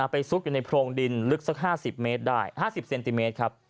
ปี่ซุกอยู่ในโพงดินลึกสัก๕๐เซนติเมตรนะครับ